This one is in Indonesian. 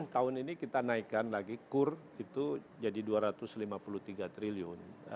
tahun ini kita naikkan lagi kur itu jadi rp dua ratus lima puluh tiga triliun